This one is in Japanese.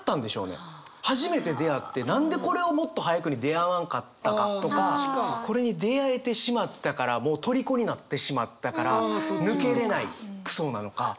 初めて出会って何でこれをもっと早くに出会わんかったかとかこれに出会えてしまったからもうとりこになってしまったから抜けれない「クソ」なのか。